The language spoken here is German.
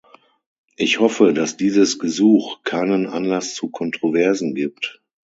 Ich hoffe, dass dieses Gesuch keinen Anlass zu Kontroversen gibt.